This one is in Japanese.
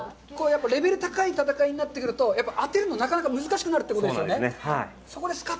レベル高い戦いになってくると、やっぱり当てるの、なかなか難しくなるということですね。